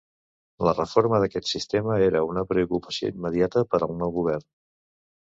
La reforma d'aquest sistema era una preocupació immediata per al nou govern.